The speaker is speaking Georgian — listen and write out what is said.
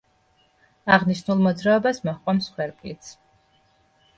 აღნიშნულ მოძრაობას მოჰყვა მსხვერპლიც.